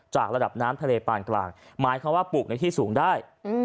ระดับน้ำทะเลปานกลางหมายความว่าปลูกในที่สูงได้